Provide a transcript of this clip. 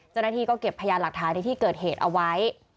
เจ้าหน้าที่ก็เก็บพยานหลักฐานในที่เกิดเหตุเอาไว้